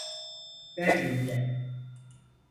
Berlin'de…